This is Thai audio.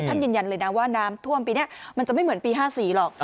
ยืนยันเลยนะว่าน้ำท่วมปีนี้มันจะไม่เหมือนปี๕๔หรอก